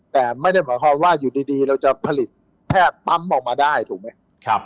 แต่ไม่ได้หมายความว่าอยู่ดีเราจะผลิตแพทย์ปั๊มออกมาได้ถูกไหม